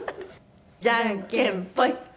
じゃんけんぽい。